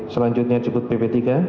selanjutnya disebut bb tiga